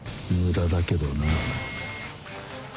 無駄だけどな。